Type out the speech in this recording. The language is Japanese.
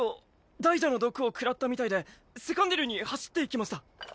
大蛇の毒をくらったみたいでセカンディルに走っていきました。